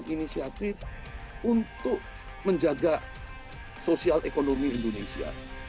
inisiatif untuk menjaga sosial ekonomi indonesia